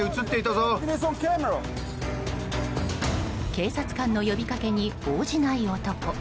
警察官の呼びかけに応じない男。